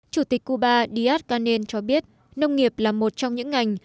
chủ tịch cuba díaz canel cho biết nông nghiệp là một trong những ngành